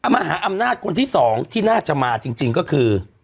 มหาอำนาจคนที่สองที่น่าจะมาจริงก็คือ